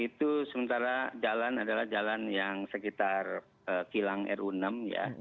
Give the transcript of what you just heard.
itu sementara jalan adalah jalan yang sekitar kilang ru enam ya